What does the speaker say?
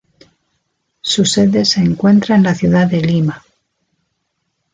Su sede se encuentra en la ciudad de Lima.